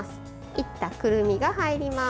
煎ったくるみが入ります。